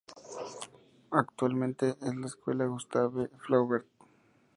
Actualmente es la Escuela Gustave Flaubert.